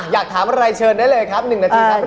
อยากถามอะไรเชิญได้เลยครับ๑นาทีครับ